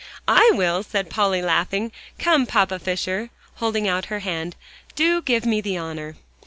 "I will," said Polly, laughing. "Come, Papa Fisher," holding out her hand, "do give me the honor."